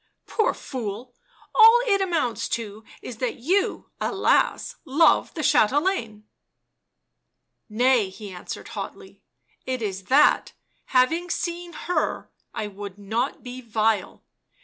" Poor fool — all it amounts to is that you, alas !— love the chatelaine." " Nay," he answered hotly. "It is that, having seen her, I would not be vile.